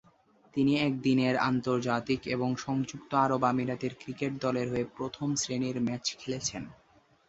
তিনি একদিনের আন্তর্জাতিক এবং সংযুক্ত আরব আমিরাতের ক্রিকেট দলের হয়ে প্রথম শ্রেণির ম্যাচ খেলেছেন।